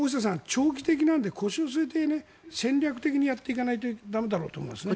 長期的なんで腰を据えて戦略的にやっていかないと駄目だろうと思いますね。